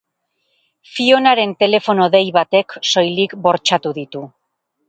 Fionaren telefono-dei batek soilik bortxatu ditu.